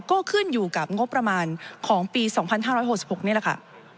ก็ขึ้นอยู่กับงบประมาณของปี๒๕๖๖นี่แหละค่ะ